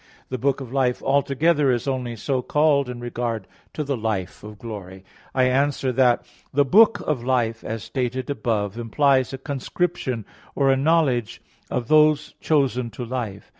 The book of life altogether is only so called in regard to the life of glory. I answer that, The book of life, as stated above (A. 1), implies a conscription or a knowledge of those chosen to life.